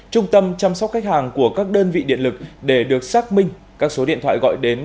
các khách hàng của các đơn vị điện lực để được xác minh các số điện thoại gọi đến